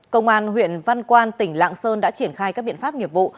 công an huyện văn quan tỉnh lạng sơn đã triển khai các biện pháp nghiệp vụ